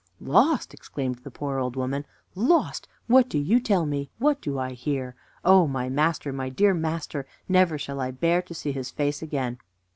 "Lost!" exclaimed the poor old woman "lost! What do you tell me? What do I hear? Oh, my master! my dear master! never shall I bear to see his face again!"